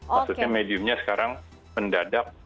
maksudnya mediumnya sekarang mendadak